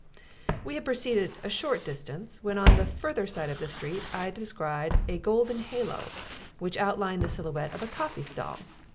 We had proceeded a short distance when on the further side of the street I descried a golden halo which outlined the silhouette of a coffee stall.